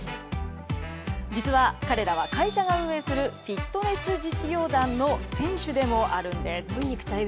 実は、彼らは会社が運営するフィットネス実業団の選手でもあるんです。